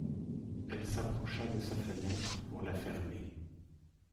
Elle s’approcha de sa fenêtre pour la fermer.